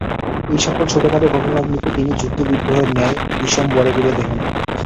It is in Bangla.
এই সকল ছােটখাট ঘটনাগুলিকে তিনি যুদ্ধবিগ্রহের ন্যায় বিষম বড় করিয়া দেখেন।